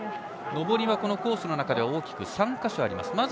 上りは、このコースの中で大きく３か所あります。